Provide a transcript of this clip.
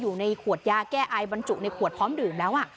อยู่ในขวดยาแก้ไอบรรจุในขวดพร้อมดื่มแล้ว